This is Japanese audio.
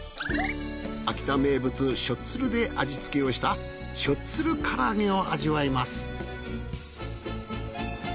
秋田名物しょっつるで味つけをしたしょっつる空上げを味わいます。